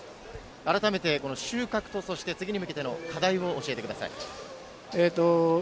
あらためて収穫と、そして次に向けての課題を教えてください。